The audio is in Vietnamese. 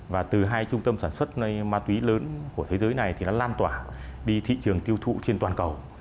và từ hai trung tâm sản xuất ma túy lớn của thế giới này thì nó lan tỏa đi thị trường tiêu thụ trên toàn cầu